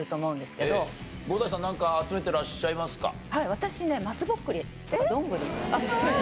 私ね松ぼっくりとかどんぐり集めてます。